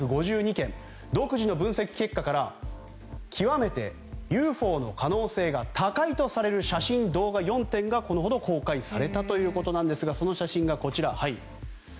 独自の分析結果から極めてＵＦＯの可能性が高いとされる写真・動画４点がこのほど公開されたということですがその写真がこちら。